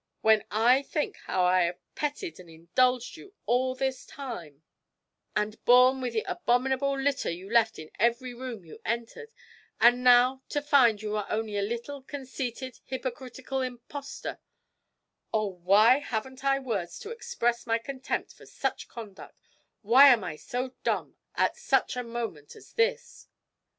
When I think how I have petted and indulged you all this time, and borne with the abominable litter you left in every room you entered and now to find you are only a little, conceited, hypocritical impostor oh, why haven't I words to express my contempt for such conduct why am I dumb at such a moment as this?'